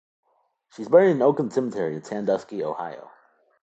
She is buried in Oakland Cemetery in Sandusky, Ohio.